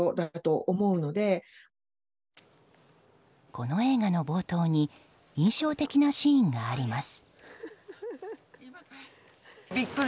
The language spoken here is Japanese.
この映画の冒頭に印象的なシーンがあります。